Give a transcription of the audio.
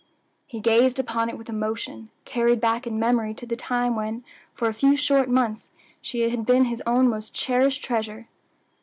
He gazed upon it with emotion, carried back in memory to the time when for a few short months she had been his own most cherished treasure.